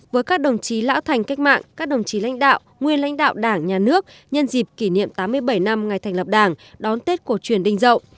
với các đồng chí lão thành cách mạng các đồng chí lãnh đạo nguyên lãnh đạo đảng nhà nước nhân dịp kỷ niệm tám mươi bảy năm ngày thành lập đảng đón tết cổ truyền đinh rậu